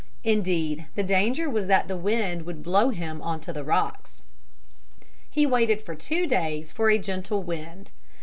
Indeed the danger was that the wind would blow him on to the rocks. He waited for two days for a gentle wind.